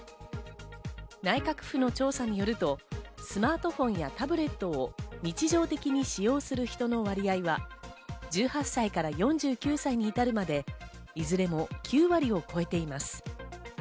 内閣府の調査によると、スマートフォンやタブレットを日常的に使用する人の割合は１８歳から４９歳に至るまで、いずれも９割を超えています。